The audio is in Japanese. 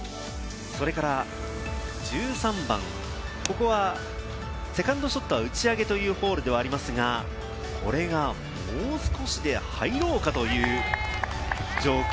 それから１３番、ここはセカンドショットは打ち上げというホールではありますが、これがもう少しで入ろうかという状況。